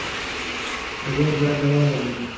زده کوونکي باید دوام ولري.